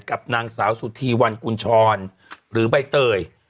กับนางสาวสุธีวันกุญชรหรือใบเตย